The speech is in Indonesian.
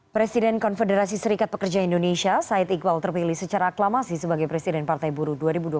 presiden konfederasi serikat pekerja indonesia said iqbal terpilih secara aklamasi sebagai presiden partai buru dua ribu dua puluh satu dua ribu dua puluh enam